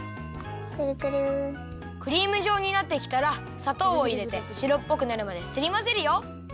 クリームじょうになってきたらさとうをいれてしろっぽくなるまですりまぜるよ。